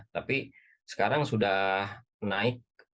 tapi sekarang sudah naik